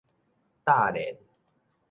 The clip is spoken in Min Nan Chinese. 搭連